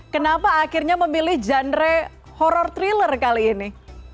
kenapa akhirnya memilih genre horror thriller kali ini